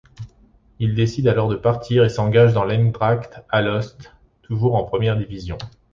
Il décide alors de partir et s'engage avec l'Eendracht Alost, toujours en première division.